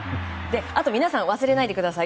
皆さん忘れないでください。